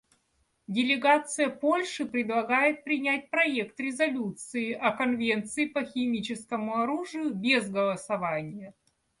Делегация Польши предлагает принять проект резолюции о Конвенции по химическому оружию без голосования.